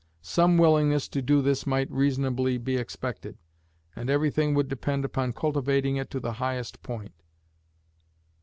Some willingness to do this might reasonably be expected, and every thing would depend upon cultivating it to the highest point.